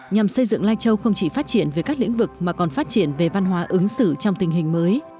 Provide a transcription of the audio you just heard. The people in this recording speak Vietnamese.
nhằm xây dựng lai châu không chỉ phát triển về các lĩnh vực mà còn phát triển về văn hóa ứng xử trong tình hình mới